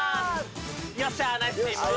よっしゃ、ナイス。